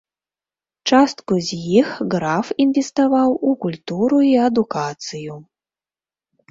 Частку з іх граф інвеставаў у культуру і адукацыю.